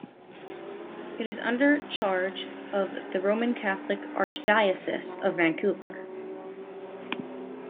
It is under charge of the Roman Catholic Archdiocese of Vancouver.